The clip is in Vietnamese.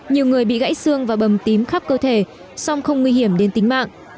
nhiều người bị gãy xương và bầm tím khắp cơ thể song không nguy hiểm đến tính mạng